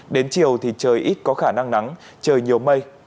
đến chiều thì trời ít có khả năng nắng trời nhiều mây